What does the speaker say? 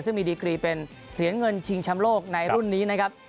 ซึ่งมีดีกรีเป็นเหรียญเงินชิงชำโลกในรุ่นนี้นะครับ